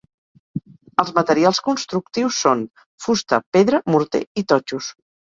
Els materials constructius són: fusta, pedra, morter i totxos.